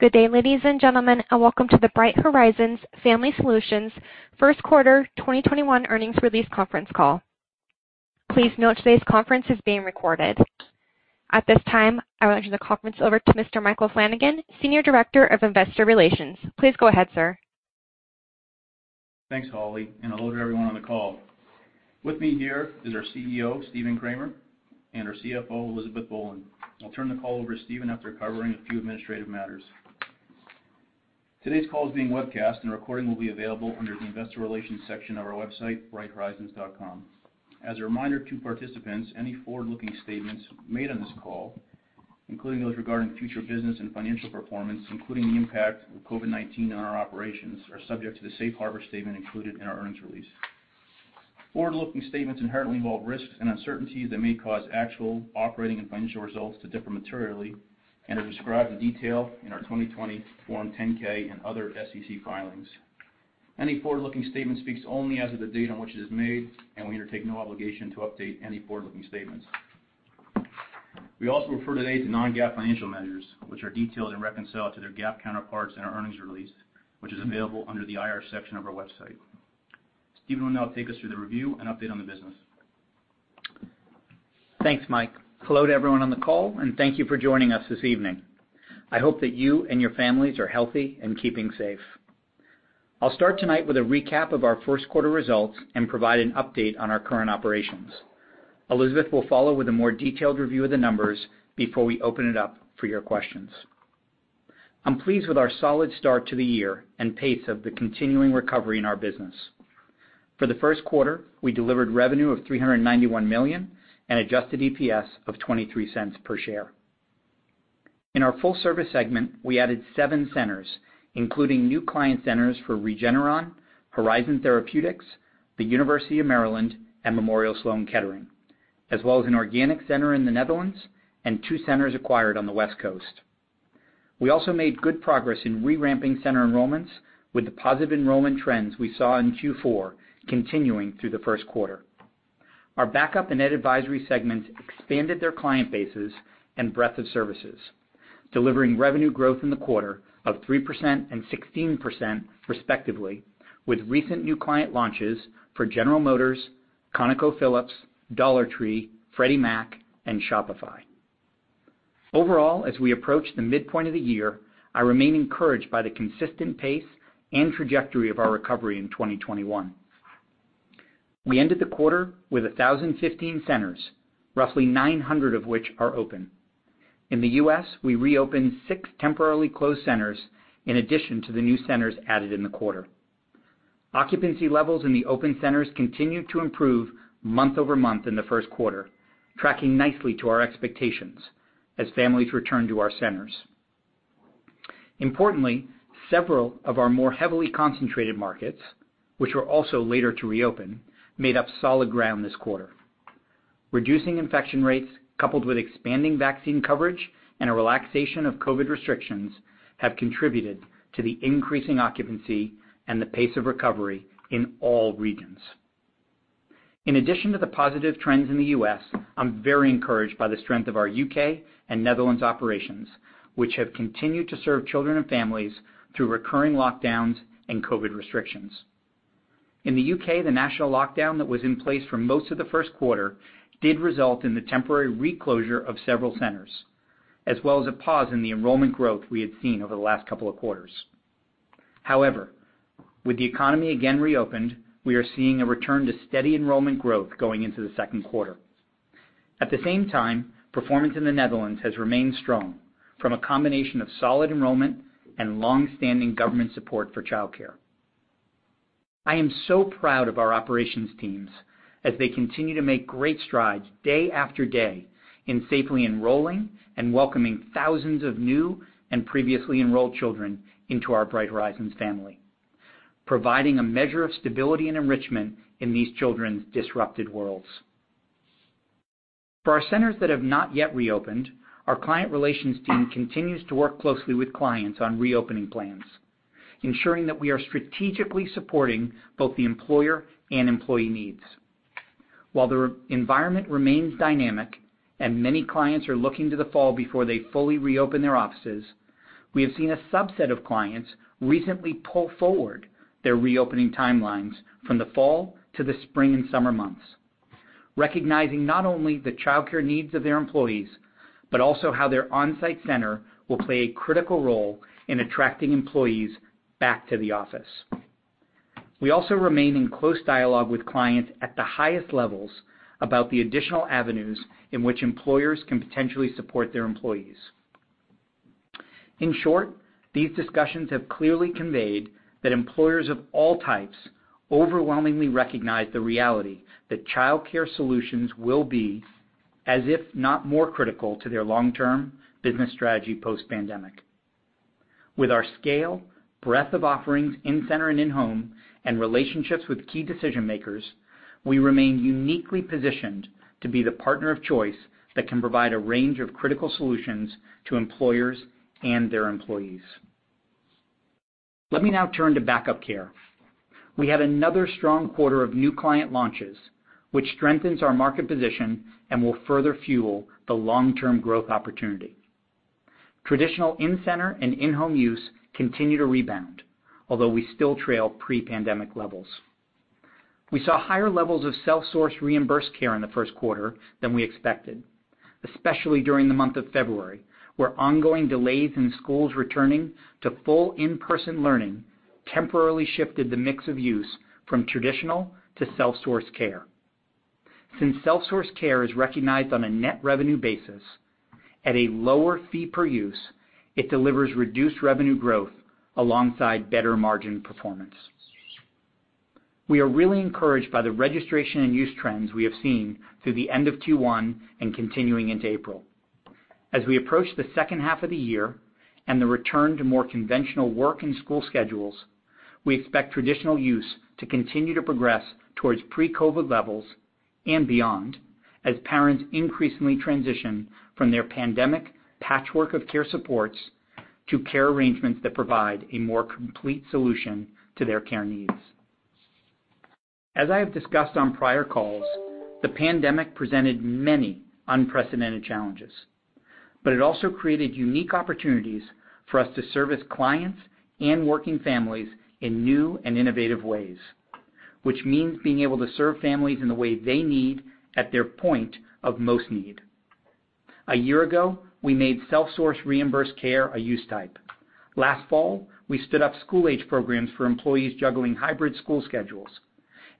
Good day, ladies and gentlemen, welcome to the Bright Horizons Family Solutions first quarter 2021 earnings release conference call. Please note today's conference is being recorded. At this time, I would like to turn the conference over to Mr. Michael Flanagan, Senior Director of Investor Relations. Please go ahead, sir. Thanks, Holly, and hello to everyone on the call. With me here is our CEO, Stephen Kramer, and our CFO, Elizabeth Boland. I'll turn the call over to Stephen after covering a few administrative matters. Today's call is being webcast and a recording will be available under the investor relations section of our website, brighthorizons.com. As a reminder to participants, any forward-looking statements made on this call, including those regarding future business and financial performance, including the impact of COVID-19 on our operations, are subject to the safe harbor statement included in our earnings release. Forward-looking statements inherently involve risks and uncertainties that may cause actual operating and financial results to differ materially and are described in detail in our 2020 Form 10-K and other SEC filings. Any forward-looking statement speaks only as of the date on which it is made, and we undertake no obligation to update any forward-looking statements. We also refer today to non-GAAP financial measures, which are detailed and reconciled to their GAAP counterparts in our earnings release, which is available under the IR section of our website. Stephen will now take us through the review and update on the business. Thanks, Mike. Hello to everyone on the call, and thank you for joining us this evening. I hope that you and your families are healthy and keeping safe. I'll start tonight with a recap of our first quarter results and provide an update on our current operations. Elizabeth will follow with a more detailed review of the numbers before we open it up for your questions. I'm pleased with our solid start to the year and pace of the continuing recovery in our business. For the first quarter, we delivered revenue of $391 million and adjusted EPS of $0.23 per share. In our full-service segment, we added seven centers, including new client centers for Regeneron, Horizon Therapeutics, the University of Maryland, and Memorial Sloan Kettering, as well as an organic center in the Netherlands and two centers acquired on the West Coast. We also made good progress in re-ramping center enrollments with the positive enrollment trends we saw in Q4 continuing through the first quarter. Our backup and Ed Advisory segments expanded their client bases and breadth of services, delivering revenue growth in the quarter of 3% and 16% respectively, with recent new client launches for General Motors, ConocoPhillips, Dollar Tree, Freddie Mac and Shopify. As we approach the midpoint of the year, I remain encouraged by the consistent pace and trajectory of our recovery in 2021. We ended the quarter with 1,015 centers, roughly 900 of which are open. In the U.S., we reopened six temporarily closed centers in addition to the new centers added in the quarter. Occupancy levels in the open centers continued to improve month-over-month in the first quarter, tracking nicely to our expectations as families return to our centers. Importantly, several of our more heavily concentrated markets, which were also later to reopen, made up solid ground this quarter. Reducing infection rates, coupled with expanding vaccine coverage and a relaxation of COVID restrictions, have contributed to the increasing occupancy and the pace of recovery in all regions. In addition to the positive trends in the U.S., I'm very encouraged by the strength of our U.K. and Netherlands operations, which have continued to serve children and families through recurring lockdowns and COVID restrictions. In the U.K., the national lockdown that was in place for most of the first quarter did result in the temporary reclosure of several centers, as well as a pause in the enrollment growth we had seen over the last couple of quarters. With the economy again reopened, we are seeing a return to steady enrollment growth going into the second quarter. At the same time, performance in the Netherlands has remained strong from a combination of solid enrollment and long-standing government support for child care. I am so proud of our operations teams as they continue to make great strides day after day in safely enrolling and welcoming thousands of new and previously enrolled children into our Bright Horizons family, providing a measure of stability and enrichment in these children's disrupted worlds. For our centers that have not yet reopened, our client relations team continues to work closely with clients on reopening plans, ensuring that we are strategically supporting both the employer and employee needs. While the environment remains dynamic and many clients are looking to the fall before they fully reopen their offices, we have seen a subset of clients recently pull forward their reopening timelines from the fall to the spring and summer months, recognizing not only the child care needs of their employees, but also how their on-site center will play a critical role in attracting employees back to the office. We also remain in close dialogue with clients at the highest levels about the additional avenues in which employers can potentially support their employees. In short, these discussions have clearly conveyed that employers of all types overwhelmingly recognize the reality that child care solutions will be as if not more critical to their long-term business strategy post-pandemic. With our scale, breadth of offerings in-center and in-home, and relationships with key decision-makers, we remain uniquely positioned to be the partner of choice that can provide a range of critical solutions to employers and their employees. Let me now turn to Back-Up Care. We had another strong quarter of new client launches, which strengthens our market position and will further fuel the long-term growth opportunity. Traditional in-center and in-home use continue to rebound, although we still trail pre-pandemic levels. We saw higher levels of self-sourced reimbursed care in the first quarter than we expected, especially during the month of February, where ongoing delays in schools returning to full in-person learning temporarily shifted the mix of use from traditional to self-source care. Since self-source care is recognized on a net revenue basis at a lower fee per use, it delivers reduced revenue growth alongside better margin performance. We are really encouraged by the registration and use trends we have seen through the end of Q1 and continuing into April. As we approach the second half of the year and the return to more conventional work and school schedules, we expect traditional use to continue to progress towards pre-COVID levels and beyond, as parents increasingly transition from their pandemic patchwork of care supports to care arrangements that provide a more complete solution to their care needs. As I have discussed on prior calls, the pandemic presented many unprecedented challenges, but it also created unique opportunities for us to service clients and working families in new and innovative ways, which means being able to serve families in the way they need at their point of most need. A year ago, we made self-sourced reimbursed care a use type. Last fall, we stood up school-age programs for employees juggling hybrid school schedules,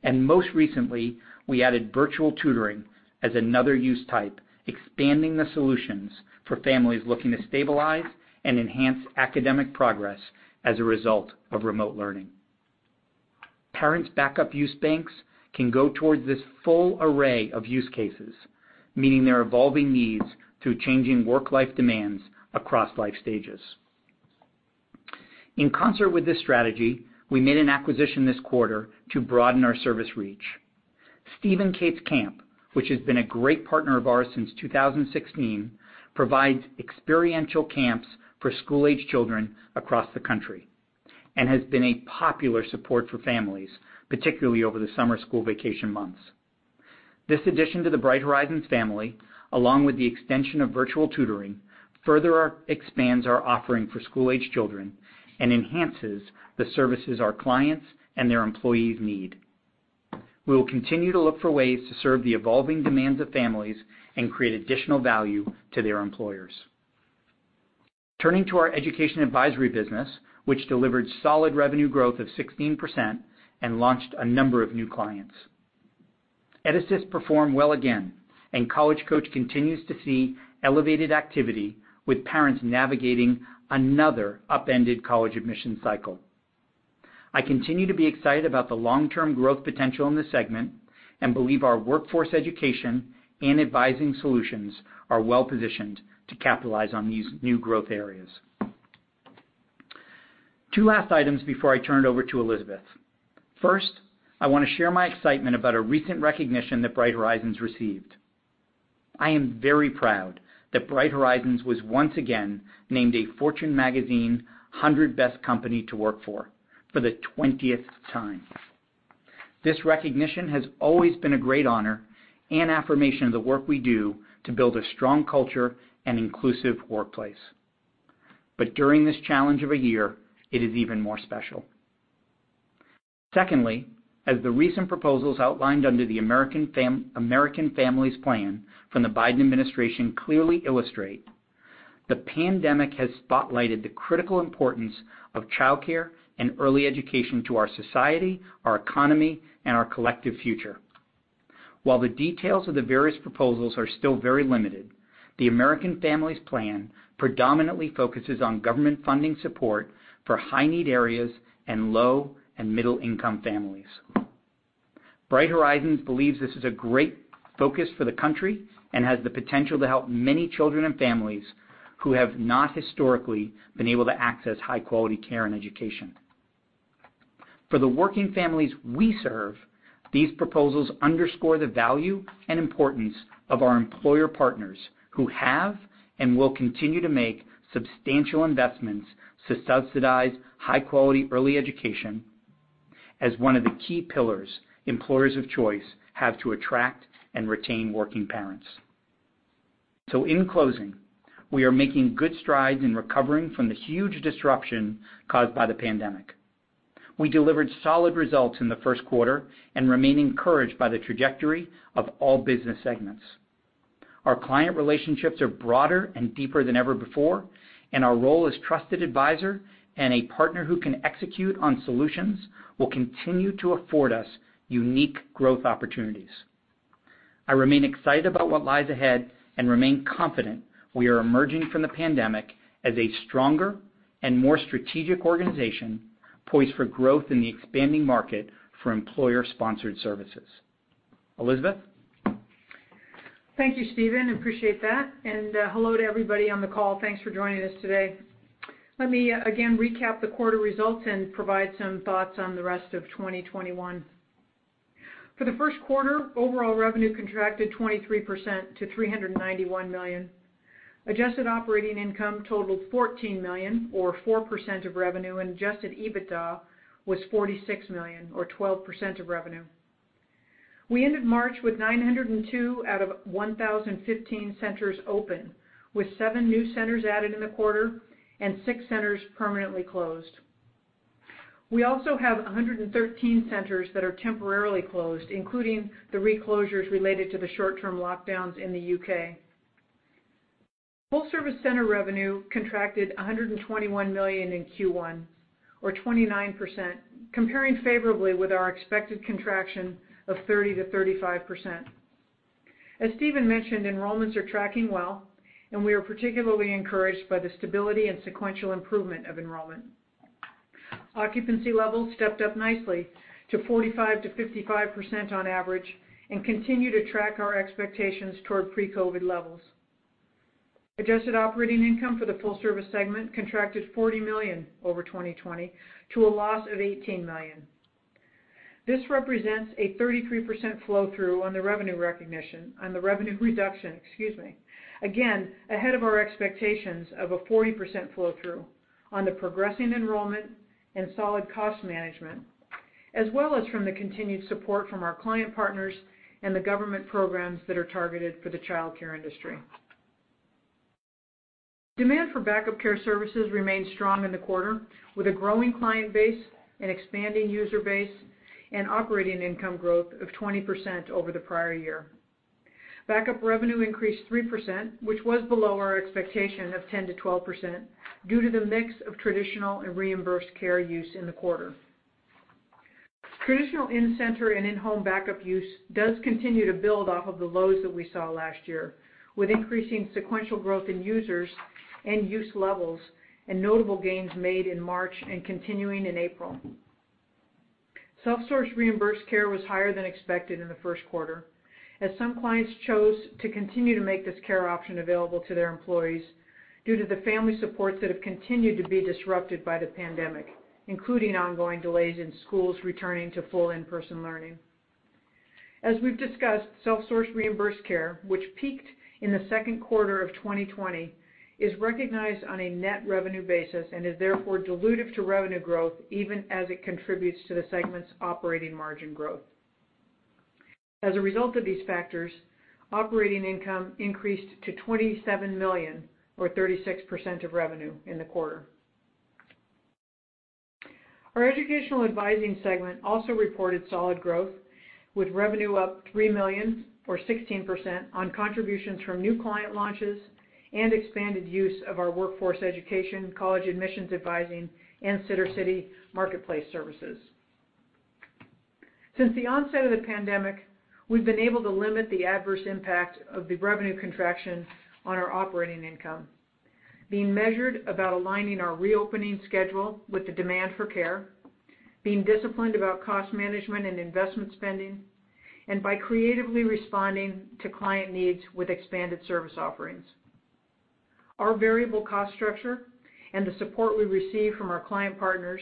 and most recently, we added virtual tutoring as another use type, expanding the solutions for families looking to stabilize and enhance academic progress as a result of remote learning. Parents' back-up use banks can go towards this full array of use cases, meeting their evolving needs through changing work-life demands across life stages. In concert with this strategy, we made an acquisition this quarter to broaden our service reach. Steve & Kate's Camp, which has been a great partner of ours since 2016, provides experiential camps for school-age children across the country and has been a popular support for families, particularly over the summer school vacation months. This addition to the Bright Horizons family, along with the extension of virtual tutoring, further expands our offering for school-age children and enhances the services our clients and their employees need. We will continue to look for ways to serve the evolving demands of families and create additional value to their employers. Turning to our Education Advisory business, which delivered solid revenue growth of 16% and launched a number of new clients. EdAssist performed well again, and College Coach continues to see elevated activity with parents navigating another upended college admission cycle. I continue to be excited about the long-term growth potential in this segment and believe our workforce education and advising solutions are well-positioned to capitalize on these new growth areas. Two last items before I turn it over to Elizabeth. First, I want to share my excitement about a recent recognition that Bright Horizons received. I am very proud that Bright Horizons was once again named a Fortune magazine 100 Best Company to Work For, for the 20th time. This recognition has always been a great honor and affirmation of the work we do to build a strong culture and inclusive workplace. During this challenge of a year, it is even more special. Secondly, as the recent proposals outlined under the American Families Plan from the Biden administration clearly illustrate, the pandemic has spotlighted the critical importance of child care and early education to our society, our economy, and our collective future. While the details of the various proposals are still very limited, the American Families Plan predominantly focuses on government funding support for high-need areas and low and middle-income families. Bright Horizons believes this is a great focus for the country and has the potential to help many children and families who have not historically been able to access high-quality care and education. For the working families we serve, these proposals underscore the value and importance of our employer partners, who have and will continue to make substantial investments to subsidize high-quality early education as one of the key pillars employers of choice have to attract and retain working parents. In closing, we are making good strides in recovering from the huge disruption caused by the pandemic. We delivered solid results in the first quarter and remain encouraged by the trajectory of all business segments. Our client relationships are broader and deeper than ever before, and our role as trusted advisor and a partner who can execute on solutions will continue to afford us unique growth opportunities. I remain excited about what lies ahead and remain confident we are emerging from the pandemic as a stronger and more strategic organization poised for growth in the expanding market for employer-sponsored services. Elizabeth? Thank you, Stephen. Appreciate that, and hello to everybody on the call. Thanks for joining us today. Let me again recap the quarter results and provide some thoughts on the rest of 2021. For the first quarter, overall revenue contracted 23% to $391 million. Adjusted operating income totaled $14 million or 4% of revenue, and adjusted EBITDA was $46 million or 12% of revenue. We ended March with 902 out of 1,015 centers open, with seven new centers added in the quarter and six centers permanently closed. We also have 113 centers that are temporarily closed, including the reclosures related to the short-term lockdowns in the U.K. Full-service center revenue contracted $121 million in Q1 or 29%, comparing favorably with our expected contraction of 30%-35%. As Stephen mentioned, enrollments are tracking well and we are particularly encouraged by the stability and sequential improvement of enrollment. Occupancy levels stepped up nicely to 45%-55% on average and continue to track our expectations toward pre-COVID levels. Adjusted operating income for the full-service segment contracted $40 million over 2020 to a loss of $18 million. This represents a 33% flow-through on the revenue reduction, excuse me, again, ahead of our expectations of a 40% flow-through on the progressing enrollment and solid cost management, as well as from the continued support from our client partners and the government programs that are targeted for the child care industry. Demand for Back-Up Care services remained strong in the quarter with a growing client base and expanding user base and operating income growth of 20% over the prior year. Backup revenue increased 3%, which was below our expectation of 10%-12% due to the mix of traditional and reimbursed care use in the quarter. Traditional in-center and in-home backup use does continue to build off of the lows that we saw last year, with increasing sequential growth in users and use levels and notable gains made in March and continuing in April. self-sourced reimbursed care was higher than expected in the first quarter as some clients chose to continue to make this care option available to their employees due to the family supports that have continued to be disrupted by the pandemic, including ongoing delays in schools returning to full in-person learning. As we've discussed, self-sourced reimbursed care, which peaked in the second quarter of 2020, is recognized on a net revenue basis and is therefore dilutive to revenue growth even as it contributes to the segment's operating margin growth. As a result of these factors, operating income increased to $27 million or 36% of revenue in the quarter. Our educational advising segment also reported solid growth, with revenue up $3 million or 16% on contributions from new client launches and expanded use of our workforce education, college admissions advising, and Sittercity marketplace services. Since the onset of the pandemic, we've been able to limit the adverse impact of the revenue contraction on our operating income, being measured about aligning our reopening schedule with the demand for care, being disciplined about cost management and investment spending, and by creatively responding to client needs with expanded service offerings. Our variable cost structure and the support we receive from our client partners,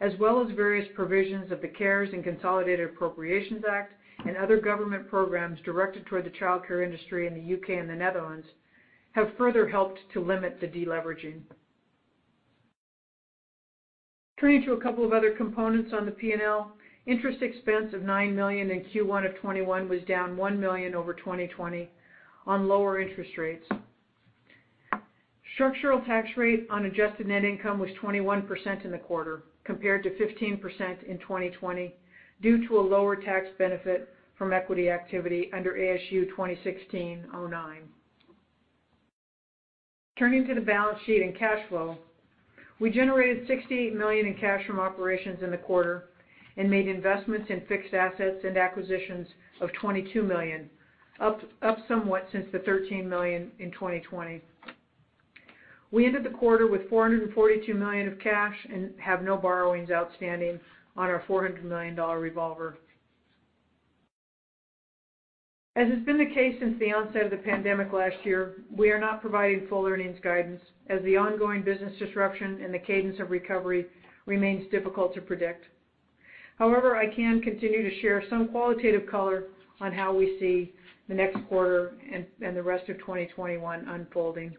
as well as various provisions of the CARES and Consolidated Appropriations Act and other government programs directed toward the child care industry in the U.K. and the Netherlands, have further helped to limit the de-leveraging. Turning to a couple of other components on the P&L, interest expense of $9 million in Q1 of 2021 was down $1 million over 2020 on lower interest rates. Structural tax rate on adjusted net income was 21% in the quarter, compared to 15% in 2020, due to a lower tax benefit from equity activity under ASU 2016-09. Turning to the balance sheet and cash flow, we generated $68 million in cash from operations in the quarter and made investments in fixed assets and acquisitions of $22 million, up somewhat since the $13 million in 2020. We ended the quarter with $442 million of cash and have no borrowings outstanding on our $400 million revolver. As has been the case since the onset of the pandemic last year, we are not providing full earnings guidance as the ongoing business disruption and the cadence of recovery remains difficult to predict. However, I can continue to share some qualitative color on how we see the next quarter and the rest of 2021 unfolding.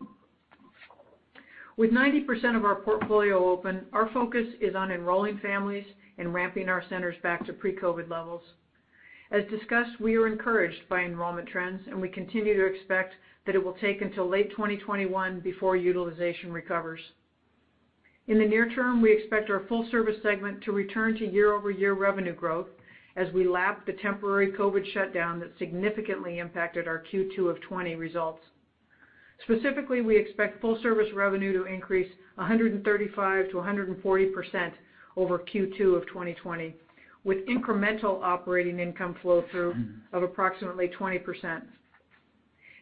With 90% of our portfolio open, our focus is on enrolling families and ramping our centers back to pre-COVID levels. As discussed, we are encouraged by enrollment trends, and we continue to expect that it will take until late 2021 before utilization recovers. In the near term, we expect our full-service segment to return to year-over-year revenue growth as we lap the temporary COVID shutdown that significantly impacted our Q2 of 2020 results. Specifically, we expect full-service revenue to increase 135%-140% over Q2 of 2020, with incremental operating income flow-through of approximately 20%.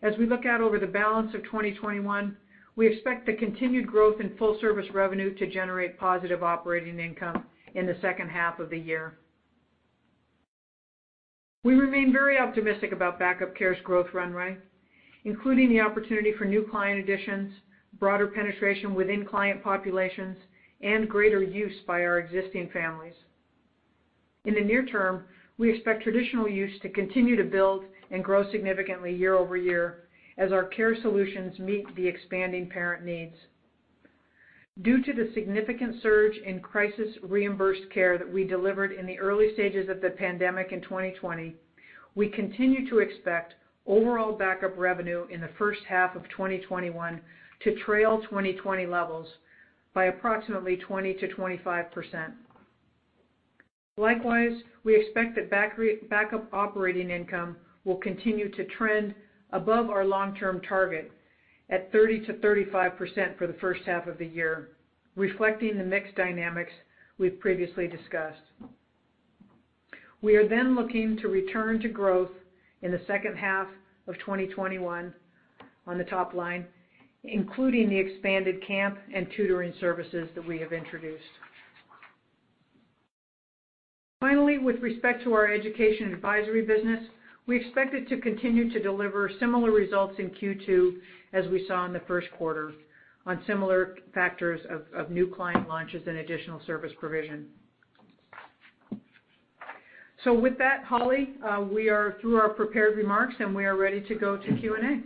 As we look out over the balance of 2021, we expect the continued growth in full-service revenue to generate positive operating income in the second half of the year. We remain very optimistic about Back-Up Care's growth runway. Including the opportunity for new client additions, broader penetration within client populations, and greater use by our existing families. In the near term, we expect traditional use to continue to build and grow significantly year-over-year as our care solutions meet the expanding parent needs. Due to the significant surge in crisis reimbursed care that we delivered in the early stages of the pandemic in 2020, we continue to expect overall Back-Up Care revenue in the first half of 2021 to trail 2020 levels by approximately 20%-25%. Likewise, we expect that Back-Up Care operating income will continue to trend above our long-term target at 30%-35% for the first half of the year, reflecting the mixed dynamics we've previously discussed. We are then looking to return to growth in the second half of 2021 on the top line, including the expanded camp and tutoring services that we have introduced. Finally, with respect to our Education Advisory business, we expect it to continue to deliver similar results in Q2 as we saw in the first quarter on similar factors of new client launches and additional service provision. With that, Holly, we are through our prepared remarks, and we are ready to go to Q&A.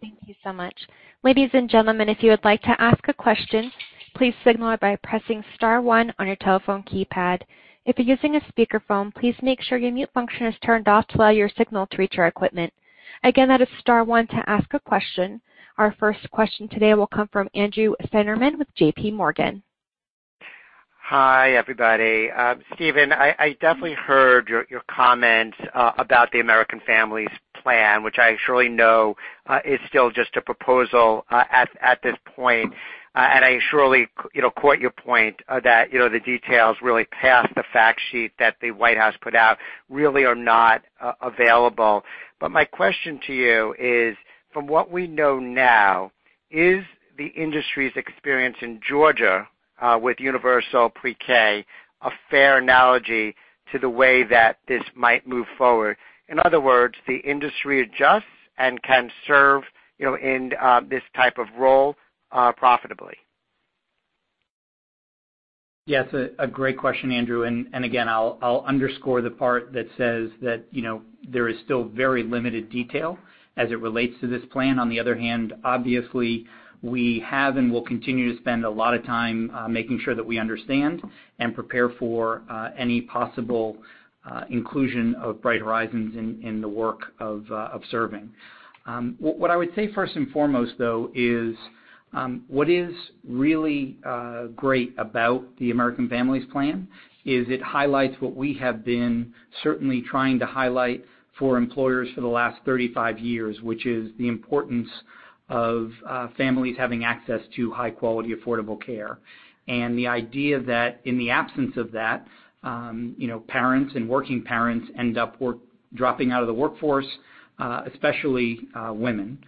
Thank you so much. Ladies and gentlemen, if you would like to ask a question, please signal it by pressing star one on your telephone keypad. If you're using a speakerphone, please make sure your mute function is turned off to allow your signal to reach our equipment. Again, that is star one to ask a question. Our first question today will come from Andrew Steinerman with JPMorgan. Hi, everybody. Stephen, I definitely heard your comments about the American Families Plan, which I surely know is still just a proposal at this point. I surely quote your point that the details really past the fact sheet that the White House put out really are not available. My question to you is, from what we know now, is the industry's experience in Georgia, with universal pre-K, a fair analogy to the way that this might move forward? In other words, the industry adjusts and can serve in this type of role profitably. Yes, a great question, Andrew, and again, I'll underscore the part that says that there is still very limited detail as it relates to this plan. On the other hand, obviously, we have and will continue to spend a lot of time making sure that we understand and prepare for any possible inclusion of Bright Horizons in the work of serving. What I would say first and foremost, though, is what is really great about the American Families Plan is it highlights what we have been certainly trying to highlight for employers for the last 35 years, which is the importance of families having access to high-quality, affordable care. The idea that in the absence of that, parents and working parents end up dropping out of the workforce, especially women.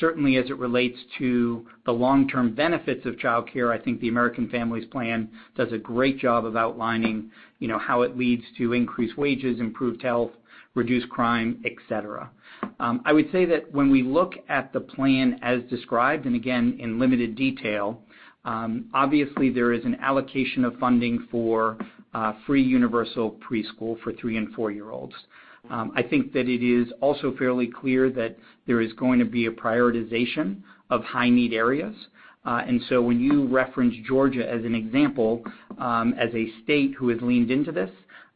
Certainly, as it relates to the long-term benefits of child care, I think the American Families Plan does a great job of outlining how it leads to increased wages, improved health, reduced crime, et cetera. I would say that when we look at the plan as described, and again, in limited detail, obviously there is an allocation of funding for free universal preschool for three and four-year-olds. I think that it is also fairly clear that there is going to be a prioritization of high-need areas. When you reference Georgia as an example, as a state who has leaned into this,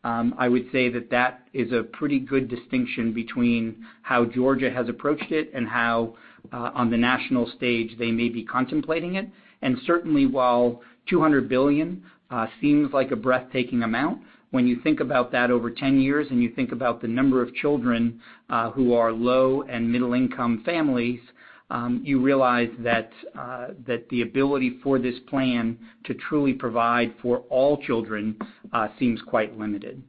I would say that that is a pretty good distinction between how Georgia has approached it and how, on the national stage, they may be contemplating it. Certainly, while $200 billion seems like a breathtaking amount, when you think about that over 10 years and you think about the number of children who are low and middle-income families, you realize that the ability for this plan to truly provide for all children seems quite limited.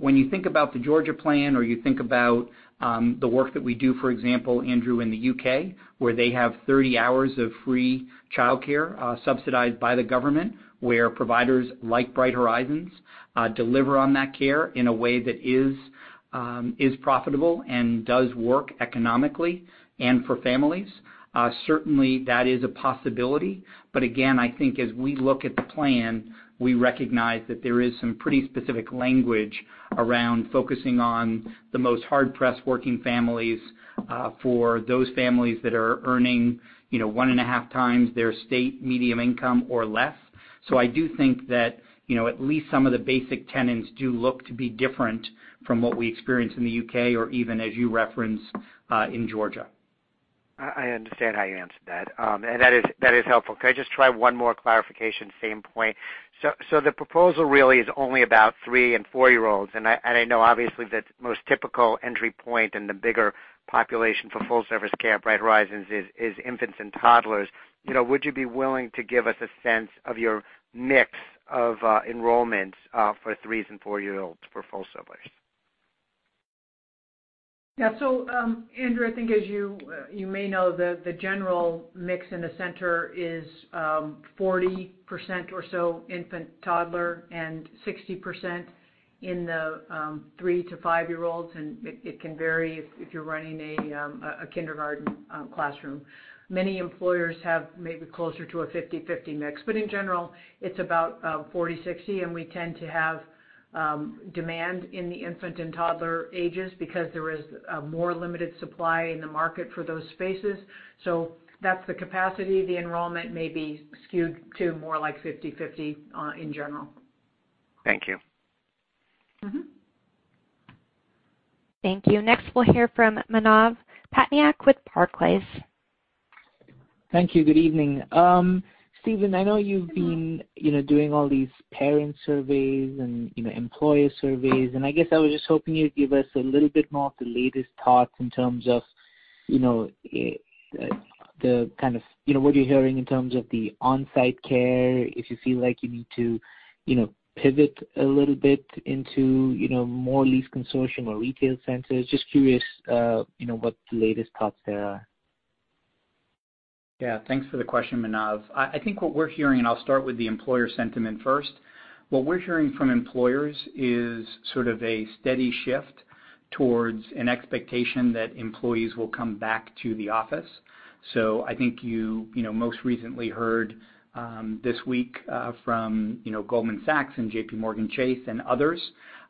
When you think about the Georgia plan, or you think about the work that we do, for example, Andrew, in the U.K., where they have 30 hours of free child care subsidized by the government, where providers like Bright Horizons deliver on that care in a way that is profitable and does work economically and for families, certainly that is a possibility. Again, I think as we look at the plan, we recognize that there is some pretty specific language around focusing on the most hard-pressed working families for those families that are earning 1.5x their state median income or less. I do think that at least some of the basic tenets do look to be different from what we experience in the U.K. or even as you reference, in Georgia. I understand how you answered that. That is helpful. Could I just try one more clarification, same point. The proposal really is only about three and four-year-olds, and I know obviously the most typical entry point and the bigger population for full-service care at Bright Horizons is infants and toddlers. Would you be willing to give us a sense of your mix of enrollments for threes and four-year-olds for full service? Andrew, I think as you may know, the general mix in the center is 40% or so infant/toddler and 60% in the three- to five-year-olds. It can vary if you're running a kindergarten classroom. Many employers have maybe closer to a 50/50 mix. In general, it's about 40/60, and we tend to have demand in the infant and toddler ages because there is a more limited supply in the market for those spaces. That's the capacity. The enrollment may be skewed to more like 50/50 in general. Thank you. Thank you. Next, we'll hear from Manav Patnaik with Barclays. Thank you. Good evening. Stephen, I know you've been doing all these parent surveys and employer surveys, I guess I was just hoping you'd give us a little bit more of the latest thoughts in terms of what you're hearing in terms of the on-site care, if you feel like you need to pivot a little bit into more lease consortium or retail centers. Just curious what the latest thoughts there are. Thanks for the question, Manav. I think what we're hearing, I'll start with the employer sentiment first. What we're hearing from employers is sort of a steady shift towards an expectation that employees will come back to the office. I think you most recently heard, this week from Goldman Sachs and JPMorgan Chase and others,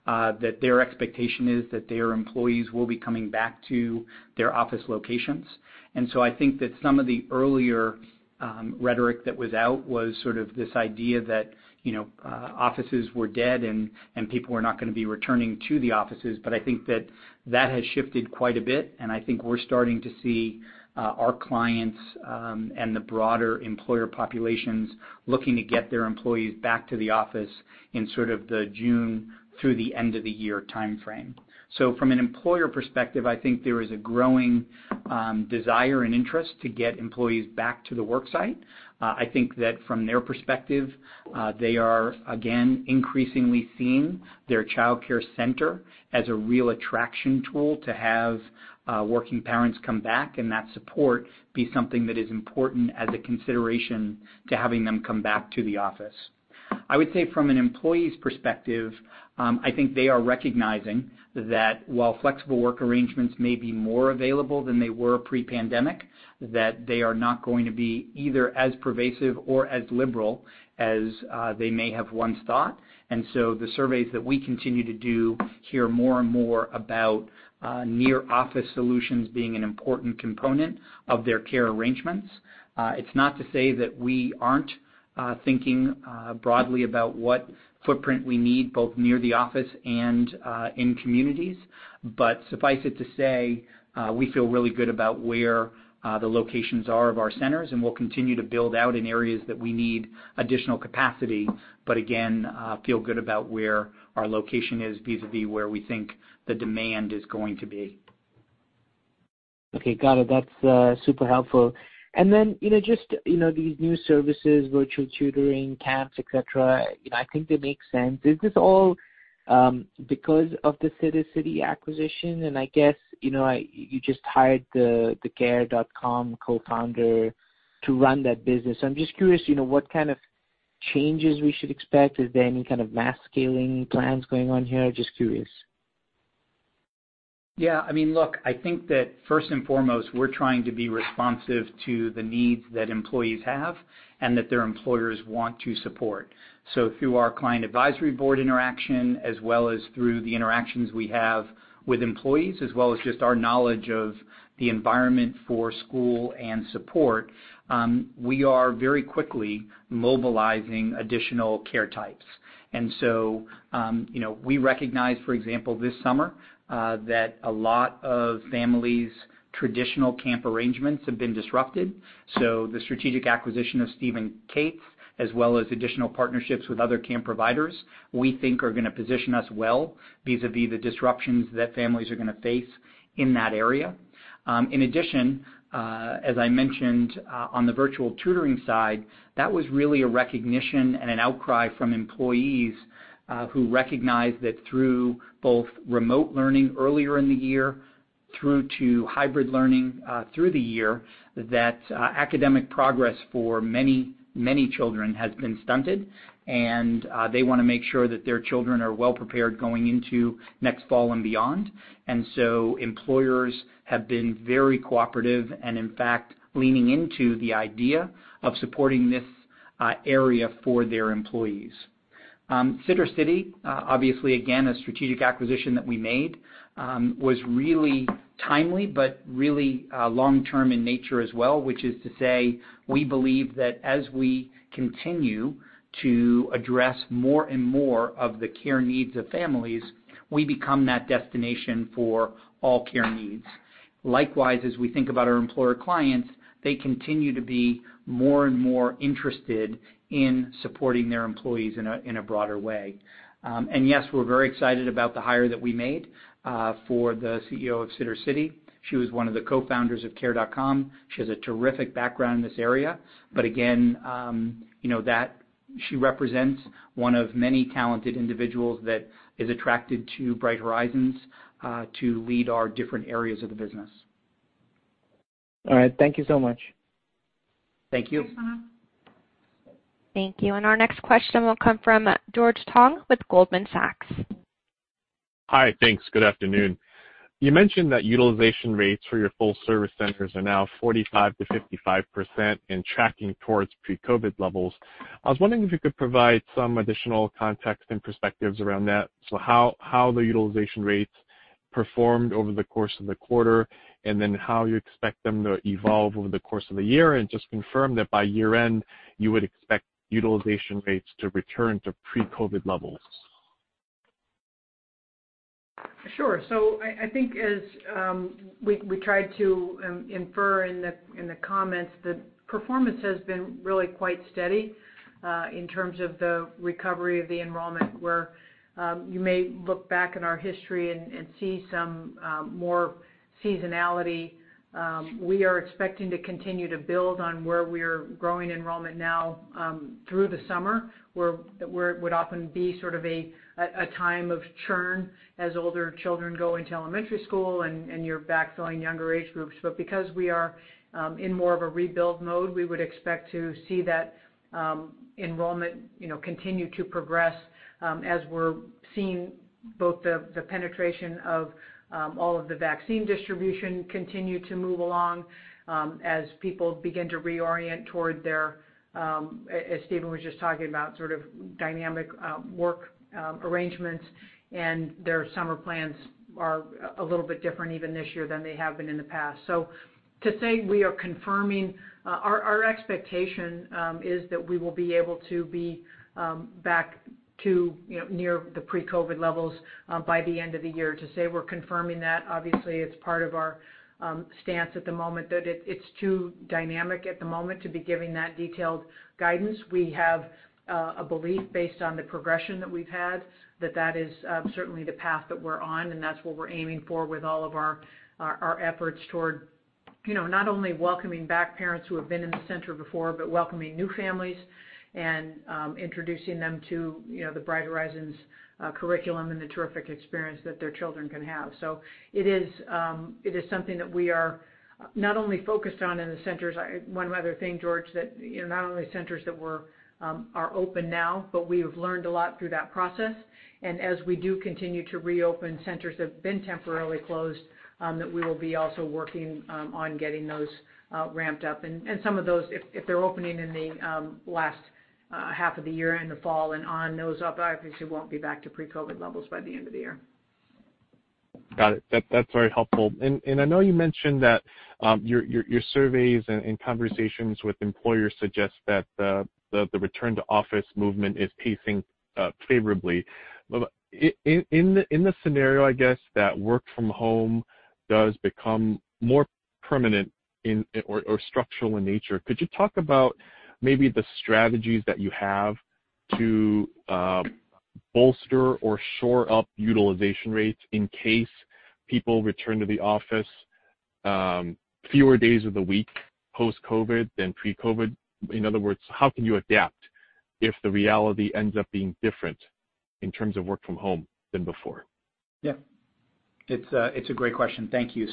that their expectation is that their employees will be coming back to their office locations. I think that some of the earlier rhetoric that was out was sort of this idea that offices were dead and people were not going to be returning to the offices. I think that has shifted quite a bit, and I think we're starting to see our clients and the broader employer populations looking to get their employees back to the office in sort of the June through the end of the year timeframe. From an employer perspective, I think there is a growing desire and interest to get employees back to the work site. I think that from their perspective, they are, again, increasingly seeing their child care center as a real attraction tool to have working parents come back, and that support be something that is important as a consideration to having them come back to the office. I would say from an employee's perspective, I think they are recognizing that while flexible work arrangements may be more available than they were pre-pandemic, that they are not going to be either as pervasive or as liberal as they may have once thought. The surveys that we continue to do hear more and more about near-office solutions being an important component of their care arrangements. It's not to say that we aren't thinking broadly about what footprint we need, both near the office and in communities. Suffice it to say, we feel really good about where the locations are of our centers, and we'll continue to build out in areas that we need additional capacity. Again, feel good about where our location is vis-a-vis where we think the demand is going to be. Okay, got it. That's super helpful. Just these new services, virtual tutoring, camps, et cetera, I think they make sense. Is this all because of the Sittercity acquisition? I guess, you just hired the Care.com co-founder to run that business. I'm just curious what kind of changes we should expect. Is there any kind of mass scaling plans going on here? Just curious. Yeah, look, I think that first and foremost, we're trying to be responsive to the needs that employees have and that their employers want to support. Through our client advisory board interaction, as well as through the interactions we have with employees, as well as just our knowledge of the environment for school and support, we are very quickly mobilizing additional care types. We recognize, for example, this summer, that a lot of families' traditional camp arrangements have been disrupted. The strategic acquisition of Steve & Kate's, as well as additional partnerships with other camp providers, we think are going to position us well vis-a-vis the disruptions that families are going to face in that area. In addition, as I mentioned, on the virtual tutoring side, that was really a recognition and an outcry from employees, who recognized that through both remote learning earlier in the year through to hybrid learning through the year, that academic progress for many, many children has been stunted. They want to make sure that their children are well-prepared going into next fall and beyond. Employers have been very cooperative and, in fact, leaning into the idea of supporting this area for their employees. Sittercity, obviously, again, a strategic acquisition that we made, was really timely, but really long-term in nature as well, which is to say, we believe that as we continue to address more and more of the care needs of families, we become that destination for all care needs. Likewise, as we think about our employer clients, they continue to be more and more interested in supporting their employees in a broader way. Yes, we're very excited about the hire that we made for the CEO of Sittercity. She was one of the co-founders of Care.com. She has a terrific background in this area. Again, She represents one of many talented individuals that is attracted to Bright Horizons to lead our different areas of the business. All right. Thank you so much. Thank you. Thanks, Manav. Thank you. Our next question will come from George Tong with Goldman Sachs. Hi. Thanks. Good afternoon. You mentioned that utilization rates for your full-service centers are now 45%-55% and tracking towards pre-COVID levels. I was wondering if you could provide some additional context and perspectives around that. How the utilization rates performed over the course of the quarter, and then how you expect them to evolve over the course of the year, and just confirm that by year-end, you would expect utilization rates to return to pre-COVID levels? Sure. I think as we tried to infer in the comments, the performance has been really quite steady, in terms of the recovery of the enrollment, where you may look back in our history and see some more seasonality. We are expecting to continue to build on where we're growing enrollment now through the summer, where it would often be sort of a time of churn as older children go into elementary school and you're backfilling younger age groups. Because we are in more of a rebuild mode, we would expect to see that enrollment continue to progress as we're seeing both the penetration of all of the vaccine distribution continue to move along, as people begin to reorient toward their, as Stephen was just talking about, sort of dynamic work arrangements, and their summer plans are a little bit different even this year than they have been in the past. Our expectation is that we will be able to be back to near the pre-COVID levels by the end of the year. To say we're confirming that, obviously, it's part of our stance at the moment that it's too dynamic at the moment to be giving that detailed guidance. We have a belief based on the progression that we've had, that that is certainly the path that we're on, and that's what we're aiming for with all of our efforts toward not only welcoming back parents who have been in the center before, but welcoming new families and introducing them to the Bright Horizons curriculum and the terrific experience that their children can have. It is something that we are not only focused on in the centers. One other thing, George, that not only centers that are open now, but we have learned a lot through that process. As we do continue to reopen centers that have been temporarily closed, that we will be also working on getting those ramped up. Some of those, if they're opening in the last half of the year, in the fall and on, those obviously won't be back to pre-COVID levels by the end of the year. Got it. That's very helpful. I know you mentioned that your surveys and conversations with employers suggest that the return-to-office movement is pacing favorably. In the scenario, I guess, that work from home does become more permanent or structural in nature, could you talk about maybe the strategies that you have to bolster or shore up utilization rates in case people return to the office fewer days of the week post-COVID than pre-COVID? In other words, how can you adapt if the reality ends up being different in terms of work from home than before? Yeah. It's a great question. Thank you.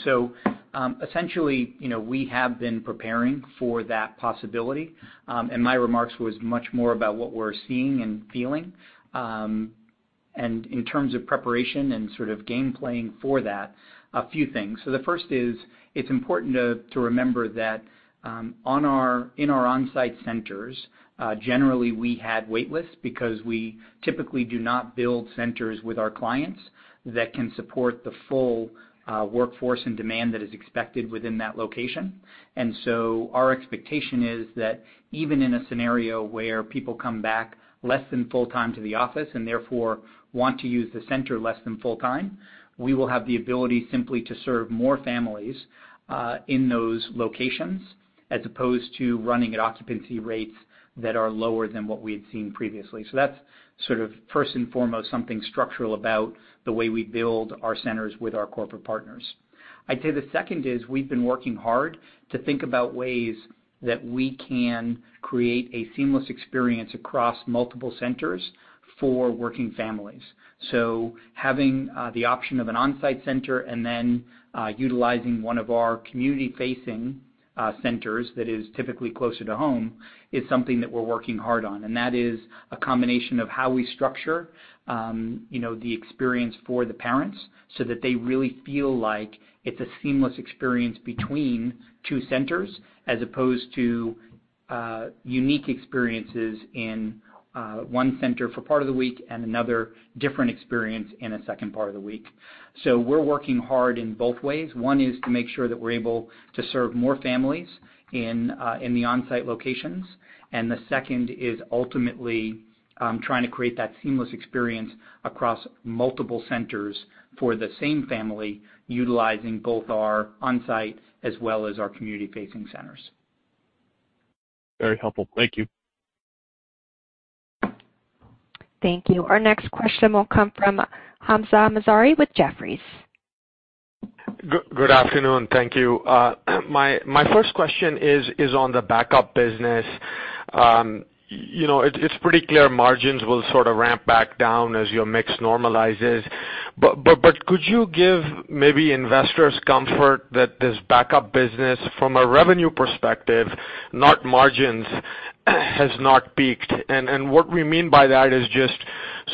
Essentially, we have been preparing for that possibility. My remarks was much more about what we're seeing and feeling. In terms of preparation and sort of game planning for that, a few things. The first is, it's important to remember that in our on-site centers, generally, we had wait lists because we typically do not build centers with our clients that can support the full workforce and demand that is expected within that location. Our expectation is that even in a scenario where people come back less than full-time to the office and therefore want to use the center less than full-time, we will have the ability simply to serve more families, in those locations, as opposed to running at occupancy rates that are lower than what we had seen previously. That's sort of first and foremost, something structural about the way we build our centers with our corporate partners. I'd say the second is we've been working hard to think about ways that we can create a seamless experience across multiple centers for working families. Having the option of an on-site center and then utilizing one of our community-facing centers that is typically closer to home is something that we're working hard on. That is a combination of how we structure the experience for the parents so that they really feel like it's a seamless experience between two centers as opposed to unique experiences in one center for part of the week and another different experience in a second part of the week. We're working hard in both ways. One is to make sure that we're able to serve more families in the on-site locations, and the second is ultimately, trying to create that seamless experience across multiple centers for the same family, utilizing both our on-site as well as our community-facing centers. Very helpful. Thank you. Thank you. Our next question will come from Hamzah Mazari with Jefferies. Good afternoon. Thank you. My first question is on the Back-Up Care business. It's pretty clear margins will sort of ramp back down as your mix normalizes. Could you give maybe investors comfort that this Back-Up Care business, from a revenue perspective, not margins, has not peaked? What we mean by that is just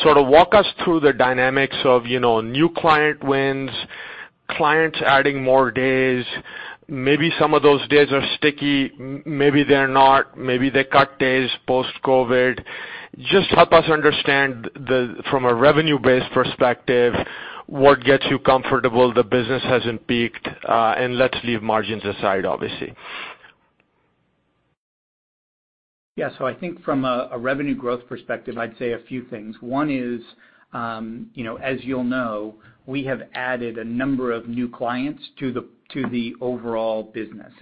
sort of walk us through the dynamics of new client wins, clients adding more days. Maybe some of those days are sticky, maybe they're not. Maybe they cut days post-COVID. Just help us understand from a revenue-based perspective, what gets you comfortable the business hasn't peaked, and let's leave margins aside, obviously. Yeah. I think from a revenue growth perspective, I'd say a few things. One is, as you'll know, we have added a number of new clients to the overall business.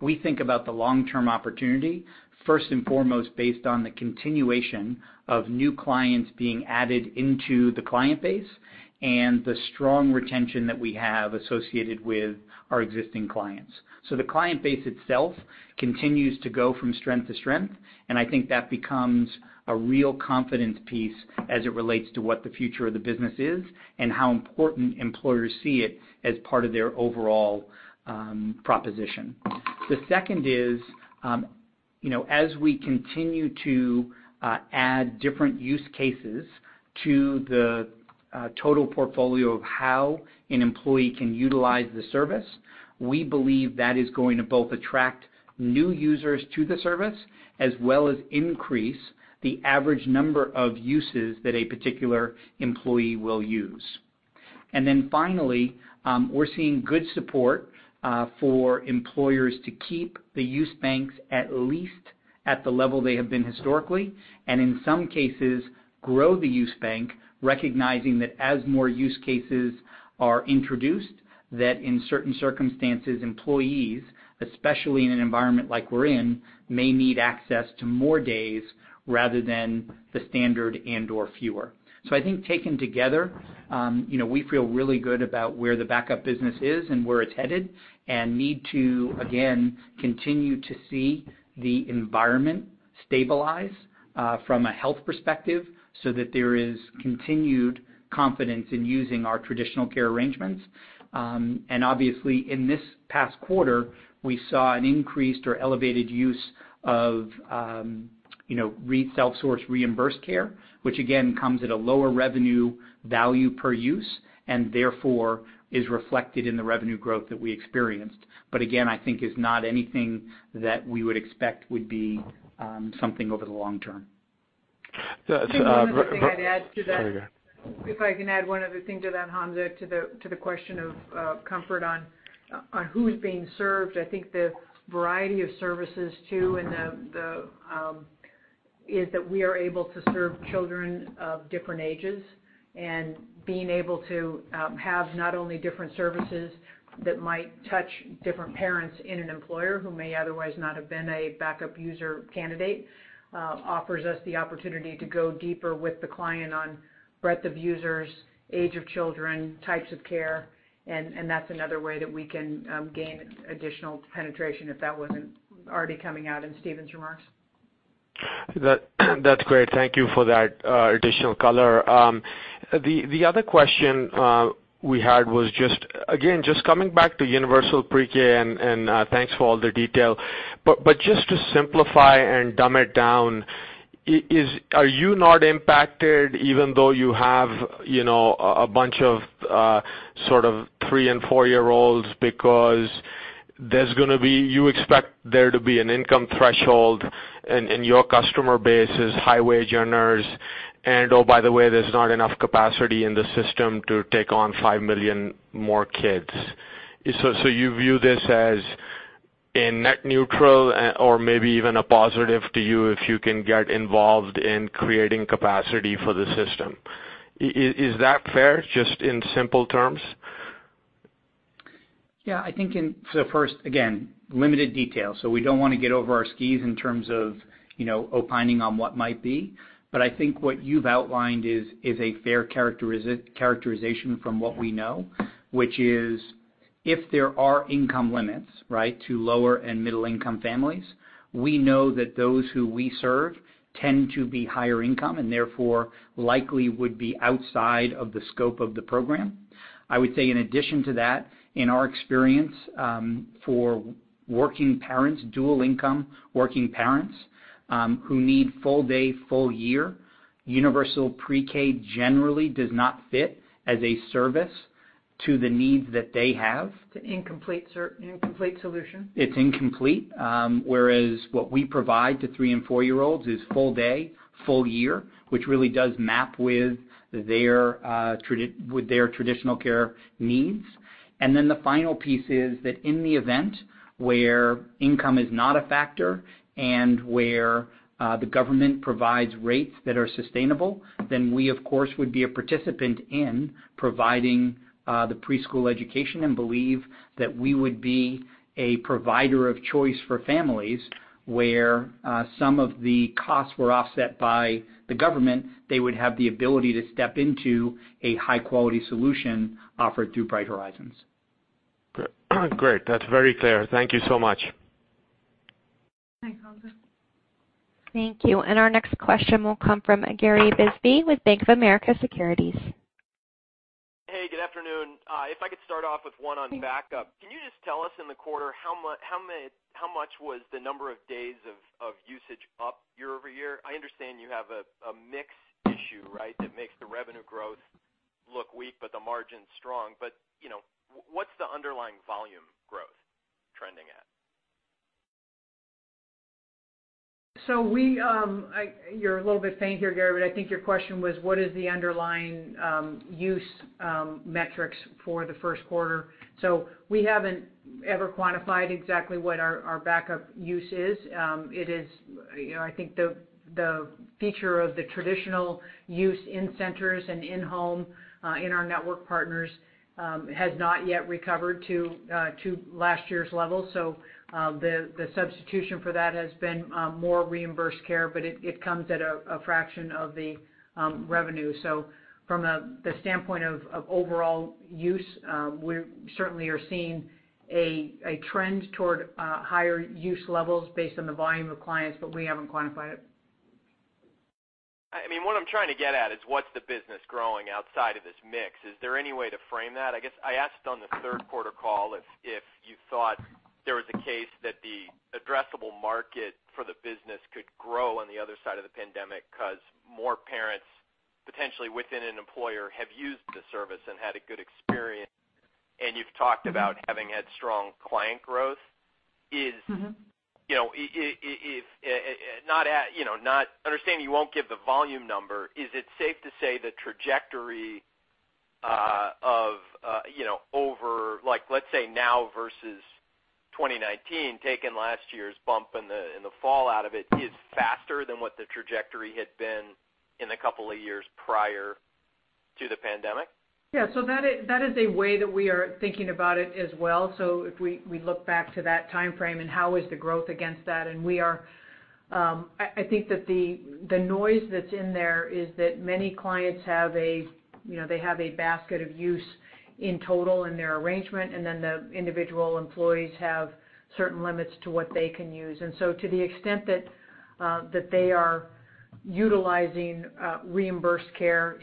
We think about the long-term opportunity first and foremost based on the continuation of new clients being added into the client base and the strong retention that we have associated with our existing clients. The client base itself continues to go from strength to strength, and I think that becomes a real confidence piece as it relates to what the future of the business is and how important employers see it as part of their overall proposition. The second is, as we continue to add different use cases to the total portfolio of how an employee can utilize the service, we believe that is going to both attract new users to the service, as well as increase the average number of uses that a particular employee will use. Finally, we're seeing good support for employers to keep the use banks, at least at the level they have been historically, and in some cases, grow the use bank, recognizing that as more use cases are introduced, that in certain circumstances, employees, especially in an environment like we're in, may need access to more days rather than the standard and/or fewer. I think taken together, we feel really good about where the Back-Up Care business is and where it's headed, and need to, again, continue to see the environment stabilize from a health perspective so that there is continued confidence in using our traditional care arrangements. Obviously in this past quarter, we saw an increased or elevated use of self-sourced reimbursed care, which again comes at a lower revenue value per use, and therefore is reflected in the revenue growth that we experienced. Again, I think is not anything that we would expect would be something over the long term. So- If I can add one other thing to that, Hamzah, to the question of comfort on who is being served. I think the variety of services too, is that we are able to serve children of different ages, and being able to have not only different services that might touch different parents in an employer who may otherwise not have been a backup user candidate, offers us the opportunity to go deeper with the client on breadth of users, age of children, types of care, and that's another way that we can gain additional penetration if that wasn't already coming out in Stephen's remarks. That's great. Thank you for that additional color. The other question we had was just, again, just coming back to universal pre-K, and thanks for all the detail. Just to simplify and dumb it down, are you not impacted even though you have a bunch of sort of three and four-year-olds because you expect there to be an income threshold, and your customer base is high wage earners, and, oh, by the way, there's not enough capacity in the system to take on 5 million more kids. You view this as a net neutral or maybe even a positive to you if you can get involved in creating capacity for the system. Is that fair? Just in simple terms. I think first, again, limited detail, we don't want to get over our skis in terms of opining on what might be. I think what you've outlined is a fair characterization from what we know, which is if there are income limits to lower and middle-income families, we know that those who we serve tend to be higher income, and therefore likely would be outside of the scope of the program. I would say in addition to that, in our experience, for working parents, dual income working parents, who need full day, full year, universal pre-K generally does not fit as a service to the needs that they have. It's an incomplete solution. It's incomplete. Whereas what we provide to three and four-year-olds is full day, full year, which really does map with their traditional care needs. The final piece is that in the event where income is not a factor and where the government provides rates that are sustainable, we of course, would be a participant in providing the preschool education and believe that we would be a provider of choice for families where some of the costs were offset by the government. They would have the ability to step into a high-quality solution offered through Bright Horizons. Great. That's very clear. Thank you so much. Thanks, Hamzah. Thank you. Our next question will come from Gary Bisbee with Bank of America Securities. Hey, good afternoon. If I could start off with one on backup. Can you just tell us in the quarter, how much was the number of days of usage up year-over-year? I understand you have a mix issue, right? That makes the revenue growth look weak, but the margin's strong. What's the underlying volume growth trending at? You're a little bit faint here, Gary, but I think your question was what is the underlying use metrics for the first quarter. We haven't ever quantified exactly what our backup use is. I think the feature of the traditional use in centers and in-home, in our network partners, has not yet recovered to last year's level. The substitution for that has been more reimbursed care, but it comes at a fraction of the revenue. From the standpoint of overall use, we certainly are seeing a trend toward higher use levels based on the volume of clients, but we haven't quantified it. What I'm trying to get at is what's the business growing outside of this mix? Is there any way to frame that? I guess I asked on the third quarter call if you thought there was a case that the addressable market for the business could grow on the other side of the pandemic because more parents, potentially within an employer, have used the service and had a good experience, and you've talked about having had strong client growth. Understanding you won't give the volume number, is it safe to say the trajectory of over, let's say now versus 2019, taking last year's bump and the fallout of it, is faster than what the trajectory had been in the couple of years prior to the pandemic? Yeah. That is a way that we are thinking about it as well. If we look back to that timeframe and how is the growth against that, I think that the noise that's in there is that many clients have a basket of use in total in their arrangement, and then the individual employees have certain limits to what they can use. To the extent that they are utilizing reimbursed care,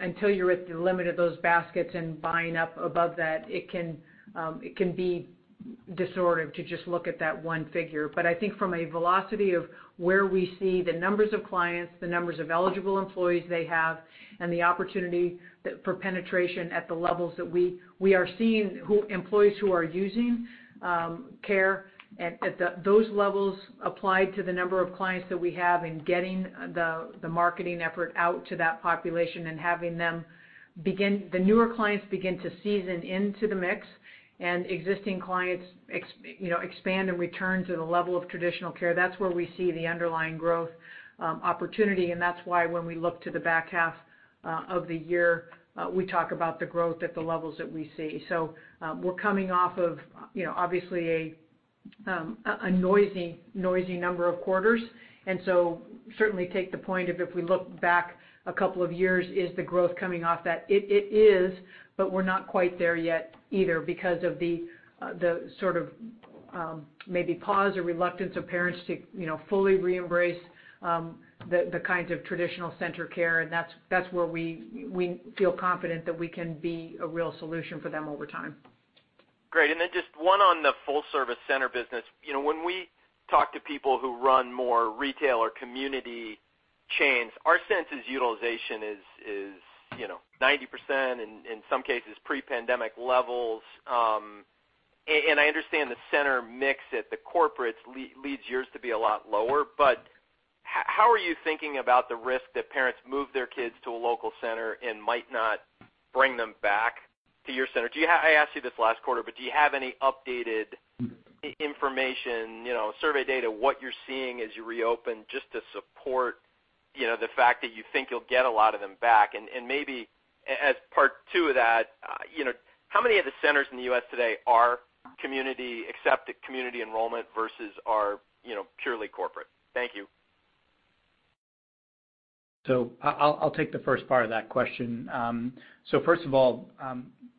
until you're at the limit of those baskets and buying up above that, it can be harder to just look at that one figure. I think from a velocity of where we see the numbers of clients, the numbers of eligible employees they have, and the opportunity for penetration at the levels that we are seeing employees who are using care at those levels applied to the number of clients that we have in getting the marketing effort out to that population and having the newer clients begin to season into the mix and existing clients expand and return to the level of traditional care, that's where we see the underlying growth opportunity, and that's why when we look to the back half of the year, we talk about the growth at the levels that we see. We're coming off of obviously a noisy number of quarters, certainly take the point of if we look back a couple of years, is the growth coming off that? It is, we're not quite there yet either because of the sort of maybe pause or reluctance of parents to fully re-embrace the kinds of traditional center care, and that's where we feel confident that we can be a real solution for them over time. Great. Then just one on the full-service center business. When we talk to people who run more retail or community chains, our sense is utilization is 90%, in some cases, pre-pandemic levels. I understand the center mix at the corporates leads yours to be a lot lower, but how are you thinking about the risk that parents move their kids to a local center and might not bring them back to your center? I asked you this last quarter, but do you have any updated information, survey data, what you're seeing as you reopen just to support the fact that you think you'll get a lot of them back? Maybe as part two of that, how many of the centers in the U.S. today are community accepted, community enrollment, versus are purely corporate? Thank you. I'll take the first part of that question. First of all,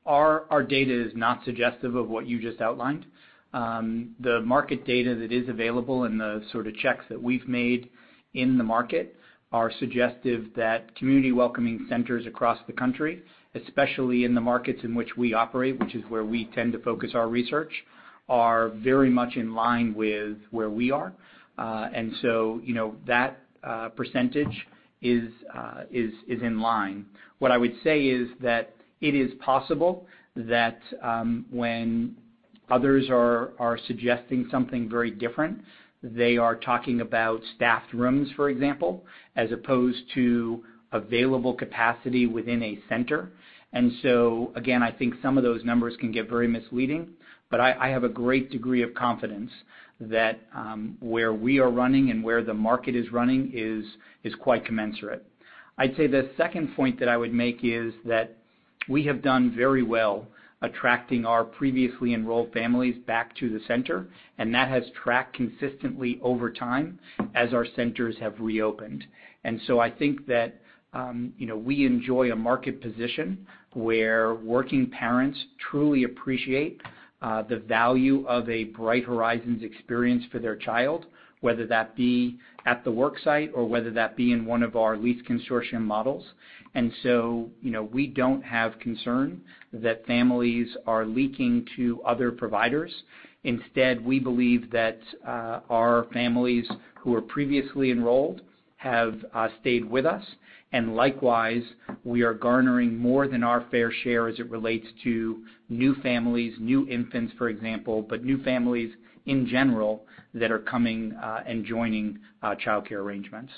our data is not suggestive of what you just outlined. The market data that is available and the sort of checks that we've made in the market are suggestive that community welcoming centers across the country, especially in the markets in which we operate, which is where we tend to focus our research, are very much in line with where we are. That percentage is in line. What I would say is that it is possible that when others are suggesting something very different, they are talking about staffed rooms, for example, as opposed to available capacity within a center. Again, I think some of those numbers can get very misleading, but I have a great degree of confidence that where we are running and where the market is running is quite commensurate. I'd say the second point that I would make is that we have done very well attracting our previously enrolled families back to the center, and that has tracked consistently over time as our centers have reopened. I think that we enjoy a market position where working parents truly appreciate the value of a Bright Horizons experience for their child, whether that be at the work site or whether that be in one of our lease consortium models. We don't have concern that families are leaking to other providers. We believe that our families who were previously enrolled have stayed with us, and likewise, we are garnering more than our fair share as it relates to new families, new infants, for example, but new families in general that are coming and joining child care arrangements.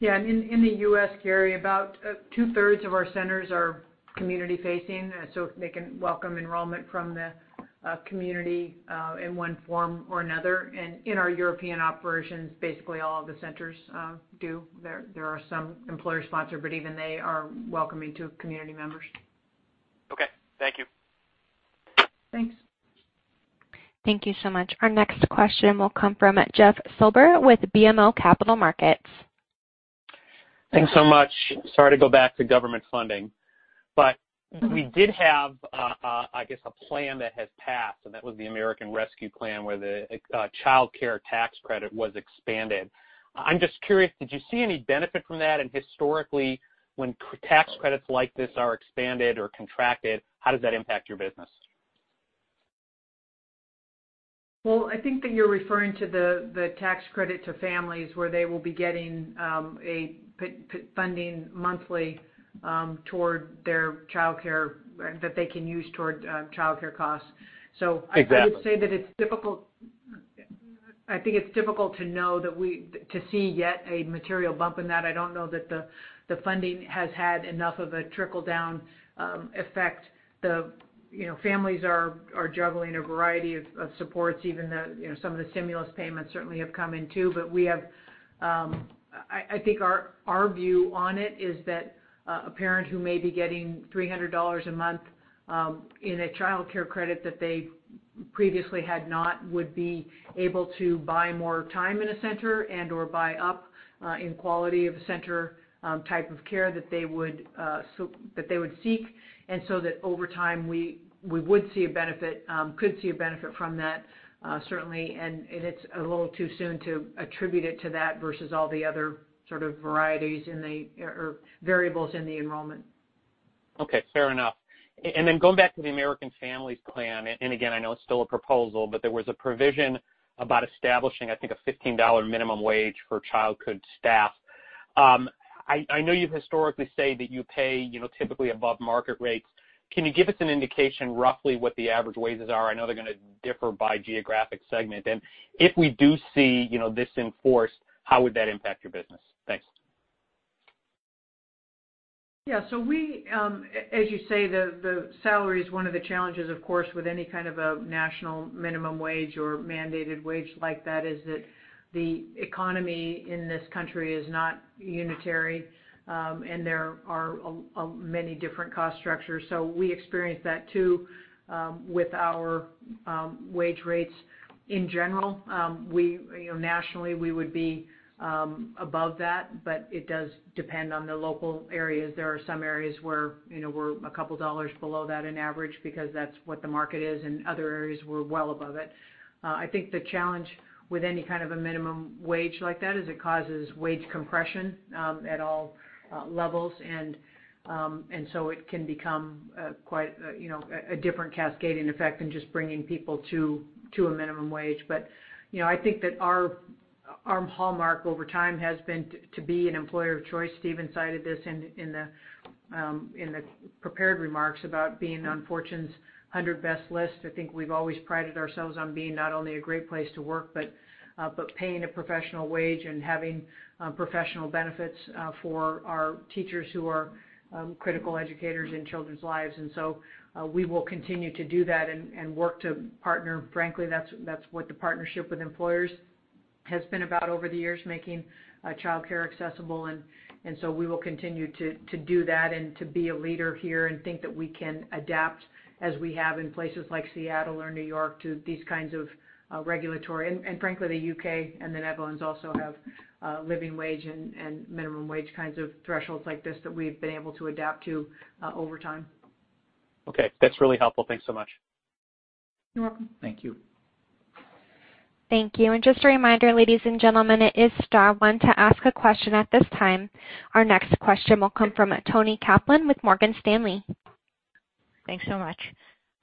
Yeah. In the U.S., Gary, about two-thirds of our centers are community-facing, so they can welcome enrollment from the community in one form or another. In our European operations, basically all of the centers do. There are some employer-sponsored, but even they are welcoming to community members. Okay. Thank you. Thanks. Thank you so much. Our next question will come from Jeff Silber with BMO Capital Markets. Thanks so much. Sorry to go back to government funding. We did have, I guess, a plan that has passed, and that was the American Rescue Plan, where the child care tax credit was expanded. I'm just curious, did you see any benefit from that? Historically, when tax credits like this are expanded or contracted, how does that impact your business? Well, I think that you're referring to the tax credit to families where they will be getting a funding monthly toward their child care, that they can use toward child care costs. Exactly. I would say that I think it's difficult to know to see yet a material bump in that. I don't know that the funding has had enough of a trickle-down effect. The families are juggling a variety of supports. Even some of the stimulus payments certainly have come in, too. I think our view on it is that a parent who may be getting $300 a month in a child care credit that they previously had not, would be able to buy more time in a center and/or buy up in quality of a center type of care that they would seek. That over time, we would see a benefit, could see a benefit from that certainly. It's a little too soon to attribute it to that versus all the other sort of variables in the enrollment. Okay. Fair enough. Going back to the American Families Plan, again, I know it's still a proposal, but there was a provision about establishing, I think, a $15 minimum wage for childhood staff. I know you historically say that you pay typically above market rates. Can you give us an indication roughly what the average wages are? I know they're going to differ by geographic segment. If we do see this enforced, how would that impact your business? Thanks. Yeah. We, as you say, the salary is one of the challenges, of course, with any kind of a national minimum wage or mandated wage like that, is that the economy in this country is not unitary, and there are many different cost structures. We experience that too with our wage rates in general. Nationally, we would be above that, but it does depend on the local areas. There are some areas where we're a couple of dollars below that in average because that's what the market is, and other areas we're well above it. I think the challenge with any kind of a minimum wage like that is it causes wage compression at all levels. It can become quite a different cascading effect than just bringing people to a minimum wage. I think that our hallmark over time has been to be an employer of choice. Stephen even cited this in the prepared remarks about being on Fortune 100 Best list. I think we've always prided ourselves on being not only a great place to work, but paying a professional wage and having professional benefits for our teachers who are critical educators in children's lives. We will continue to do that and work to partner. Frankly, that's what the partnership with employers has been about over the years, making child care accessible. We will continue to do that and to be a leader here and think that we can adapt as we have in places like Seattle or New York to these kinds of regulatory. Frankly, the U.K. and the Netherlands also have living wage and minimum wage kinds of thresholds like this that we've been able to adapt to over time. That's really helpful. Thanks so much. You're welcome. Thank you. Thank you. Just a reminder, ladies and gentlemen, it is star one to ask a question at this time. Our next question will come from Toni Kaplan with Morgan Stanley. Thanks so much.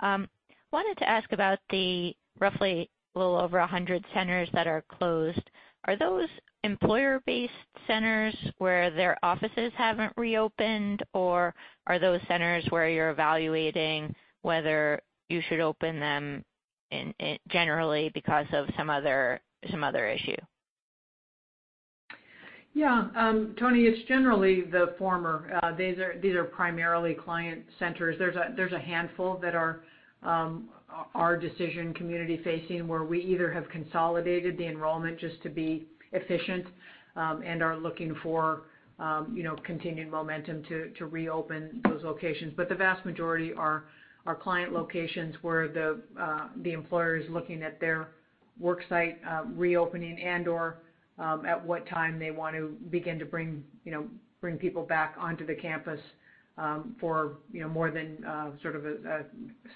Wanted to ask about the roughly little over 100 centers that are closed. Are those employer-based centers where their offices haven't reopened, or are those centers where you're evaluating whether you should open them generally because of some other issue? Yeah. Toni, it's generally the former. These are primarily client centers. There's a handful that are our decision community facing, where we either have consolidated the enrollment just to be efficient, and are looking for continued momentum to reopen those locations. The vast majority are client locations where the employers looking at their work site reopening and/or at what time they want to begin to bring people back onto the campus for more than a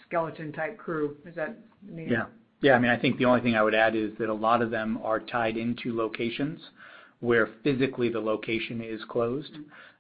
skeleton-type crew. Is that needed? I think the only thing I would add is that a lot of them are tied into locations where physically the location is closed.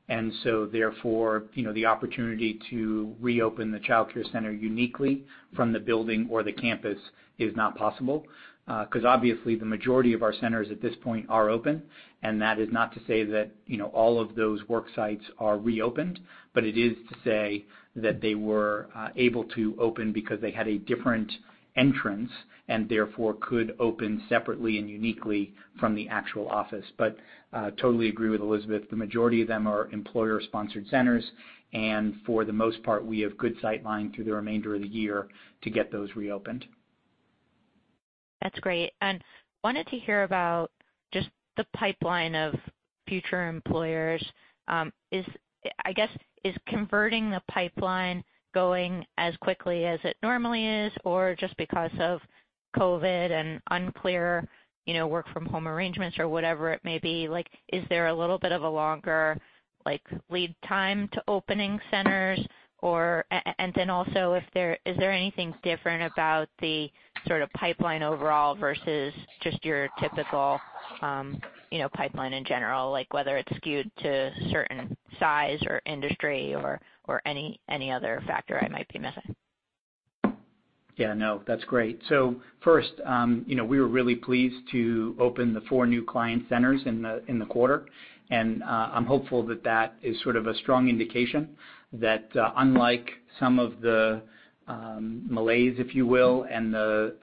Therefore, the opportunity to reopen the child care center uniquely from the building or the campus is not possible. Obviously the majority of our centers at this point are open, and that is not to say that all of those work sites are reopened. It is to say that they were able to open because they had a different entrance, and therefore could open separately and uniquely from the actual office. Totally agree with Elizabeth, the majority of them are employer-sponsored centers, and for the most part, we have good sight line through the remainder of the year to get those reopened. That's great. Wanted to hear about just the pipeline of future employers. I guess, is converting the pipeline going as quickly as it normally is, or just because of COVID and unclear work from home arrangements or whatever it may be, is there a little bit of a longer lead time to opening centers? Also, is there anything different about the pipeline overall versus just your typical pipeline in general, like whether it's skewed to certain size or industry or any other factor I might be missing? Yeah, no, that's great. First, we were really pleased to open the four new client centers in the quarter, and I'm hopeful that that is sort of a strong indication that, unlike some of the malaise, if you will, and the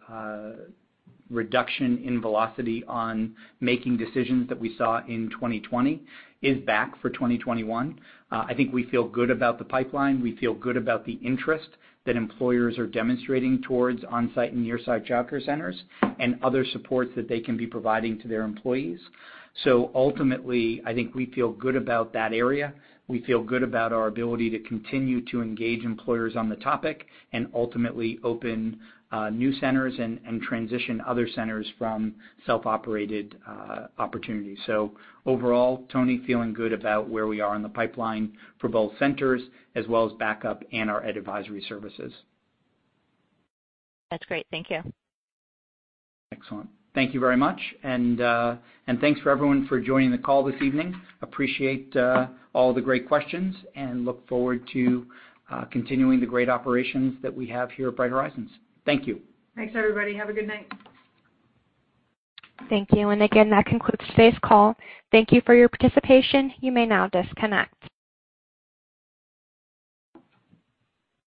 reduction in velocity on making decisions that we saw in 2020 is back for 2021. I think we feel good about the pipeline. We feel good about the interest that employers are demonstrating towards on-site and near-site child care centers and other supports that they can be providing to their employees. Ultimately, I think we feel good about that area. We feel good about our ability to continue to engage employers on the topic and ultimately open new centers and transition other centers from self-operated opportunities. Overall, Toni, feeling good about where we are in the pipeline for both centers as well as backup and our Ed Advisory services. That's great. Thank you. Excellent. Thank you very much. Thanks for everyone for joining the call this evening. Appreciate all the great questions and look forward to continuing the great operations that we have here at Bright Horizons. Thank you. Thanks, everybody. Have a good night. Thank you. Again, that concludes today's call. Thank you for your participation. You may now disconnect.